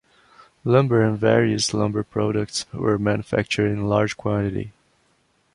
Lumber and various lumber products were manufactured in large quantity.